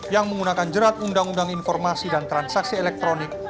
yang menggunakan jerat undang undang informasi dan transaksi elektronik